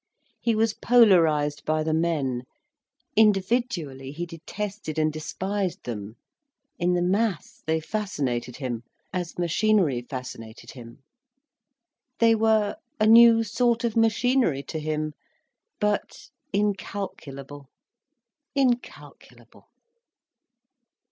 He was polarised by the men. Individually he detested and despised them. In the mass they fascinated him, as machinery fascinated him. They were a new sort of machinery to him—but incalculable, incalculable.